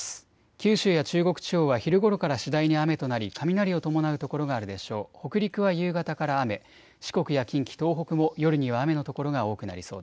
九州や中国地方は昼ごろから次第に雨となり雷を伴う所があるでしょう。